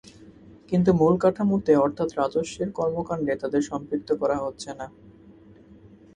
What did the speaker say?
কিন্তু মূল কাঠামোতে অর্থাৎ রাজস্বের কর্মকাণ্ডে তাদের সম্পৃক্ত করা হচ্ছে না।